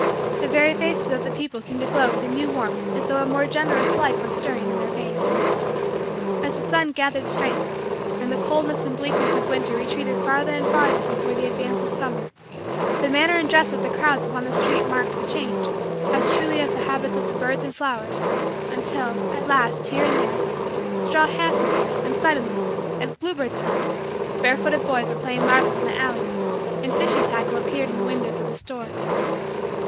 The very faces of the people seemed to glow with a new warmth as though a more generous life was stirring in their veins. As the sun gathered strength, and the coldness and bleakness of winter retreated farther and farther before the advance of summer, the manner and dress of the crowds upon the streets marked the change as truly as the habits of the birds and flowers, until, at last, here and there, straw hats appeared and suddenly, as bluebirds come, barefooted boys were playing marbles in the alleys and fishing tackle appeared in the windows of the stores.